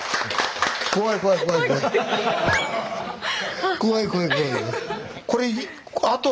怖い怖い怖い怖い。